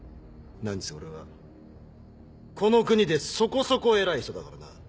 何せ俺はこの国でそこそこ偉い人だからな。